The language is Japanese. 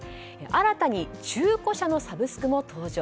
新たに中古車のサブスクも登場。